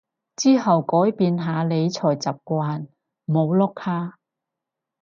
之後改變下理財習慣唔好碌卡